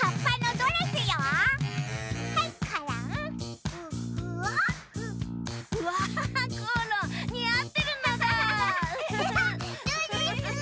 ドレス！